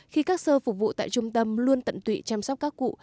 khi các sơ phục vụ tại trung tâm luôn tận tụy chăm sóc các cụ